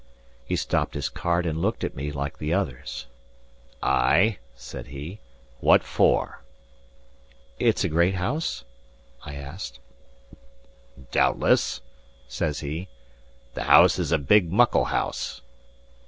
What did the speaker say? He stopped his cart and looked at me, like the others. "Ay" said he. "What for?" "It's a great house?" I asked. "Doubtless," says he. "The house is a big, muckle house."